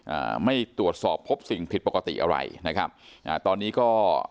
อ่าไม่ตรวจสอบพบสิ่งผิดปกติอะไรนะครับอ่าตอนนี้ก็